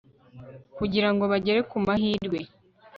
kugira ngo bagere ku mahirwe